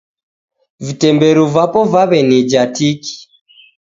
Vitemberu vapo vaw'enija tiki